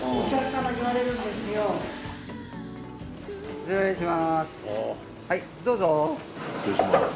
失礼します。